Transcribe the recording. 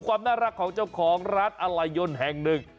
ความน่ารักของเจ้าของร้านอะไรยนแห่งหนึ่ง